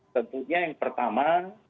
tentunya yang pertama